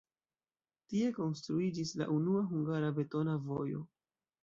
Tie konstruiĝis la unua hungara betona vojo.